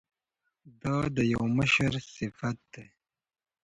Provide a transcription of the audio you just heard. دا د یو مشر صفت دی.